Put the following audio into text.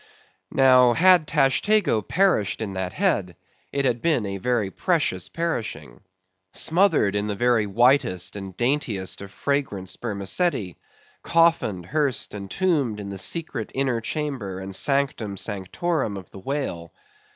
Now, had Tashtego perished in that head, it had been a very precious perishing; smothered in the very whitest and daintiest of fragrant spermaceti; coffined, hearsed, and tombed in the secret inner chamber and sanctum sanctorum of the whale.